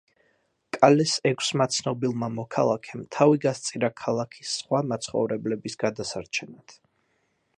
კალეს ექვსმა ცნობილმა მოქალაქემ თავი გასწირა ქალაქის სხვა მაცხოვრებლების გადასარჩენად.